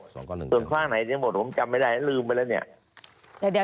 ส่วนข้างไหนจะหมดผมจำไม่ได้ลืมไปแล้วเนี่ย